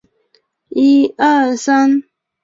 成化二年登进士。